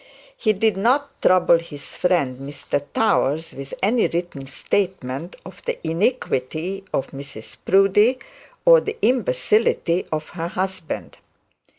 He did not trouble his friend Mr Towers with any written statement of the iniquity of Mrs Proudie, or the imbecility of her husband.